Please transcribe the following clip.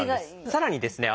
さらにですね